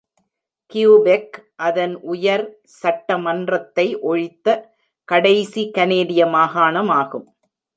Quebec அதன் உயர் சட்டமன்றத்தை ஒழித்த கடைசி கனேடிய மாகாணமாகும்.